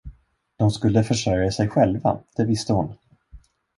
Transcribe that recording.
De skulle försörja sig själva, det visste hon.